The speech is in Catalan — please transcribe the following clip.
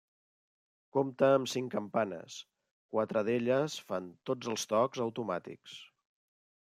Compta amb cinc campanes, quatre d'elles fan tots els tocs automàtics.